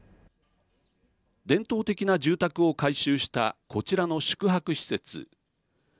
伝統的な住宅を改修したこちらの宿泊施設。